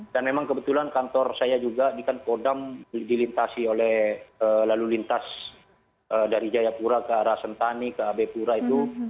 dan memang kebetulan kantor saya juga di kodam dilintasi oleh lalu lintas dari jayapura ke rasentani ke ab pura itu